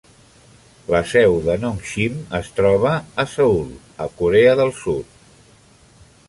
La seu de Nongshim es troba a Seül, a Corea del Sud.